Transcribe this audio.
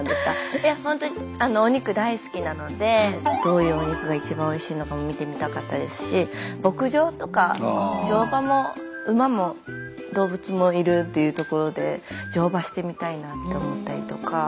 いやほんとにお肉大好きなのでどういうお肉が一番おいしいのかも見てみたかったですし牧場とか乗馬も馬も動物もいるというところで乗馬してみたいなって思ったりとか。